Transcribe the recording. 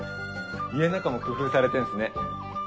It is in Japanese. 家の中も工夫されてんすね。